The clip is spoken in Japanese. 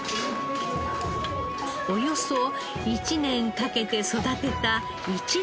およそ１年かけて育てた一年ガキ。